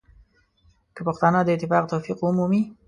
که پښتانه د اتفاق توفیق ومومي.